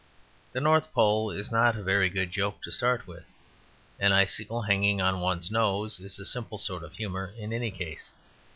The North Pole is not a very good joke to start with. An icicle hanging on one's nose is a simple sort of humour in any case.